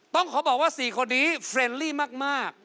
ต้องขอบอกว่า๔คนนี้เฟรนลี่มาก